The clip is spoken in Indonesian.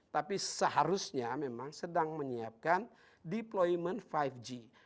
tapi seharusnya memang sedang menyiapkan deployment lima g